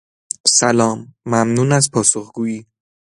سلام ممنون از پاسخگویی